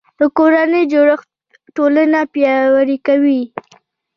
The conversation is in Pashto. د کورنۍ جوړښت ټولنه پیاوړې کوي